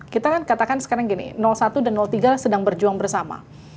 kita kan katakan sekarang gini satu dan tiga sedang berjuang bersama